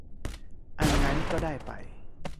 อันนั้นก็ได้ไป